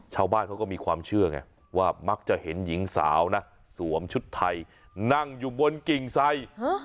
ชาวบ้านเขาก็มีความเชื่อไงว่ามักจะเห็นหญิงสาวนะสวมชุดไทยนั่งอยู่บนกิ่งไซด